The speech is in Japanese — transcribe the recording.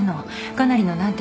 かなりの難敵。